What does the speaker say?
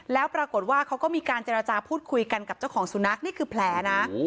แล้วปรากฏว่าเขาก็มีการเจรจาพูดคุยกันกับเจ้าของสุนัขนี่คือแผลนะ